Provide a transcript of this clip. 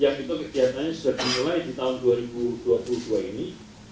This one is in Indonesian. yang itu kegiatannya sudah dimulai di tahun dua ribu dua puluh dua ini